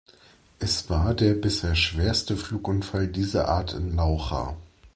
Es war der bisher schwerste Flugunfall dieser Art in Laucha.